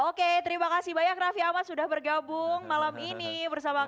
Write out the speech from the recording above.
oke terima kasih banyak raffi ahmad sudah bergabung malam ini bersama kami